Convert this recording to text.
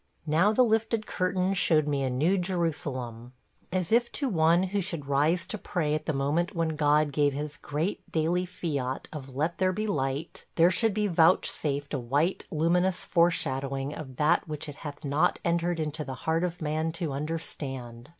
Now the lifted curtain showed me a New Jerusalem. ... As if to one who should rise to pray at the moment when God gave his great daily fiat of "Let there be light," there should be vouchsafed a white, luminous foreshadowing of that which it hath not entered into the heart of man to understand.